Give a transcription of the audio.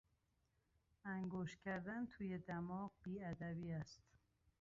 انگشت کردن توی دماغ بیادبی است.